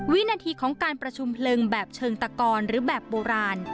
วินาทีของการประชุมเพลิงแบบเชิงตะกอนหรือแบบโบราณ